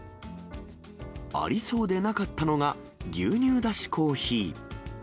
ありそうでなかったのが、牛乳出しコーヒー。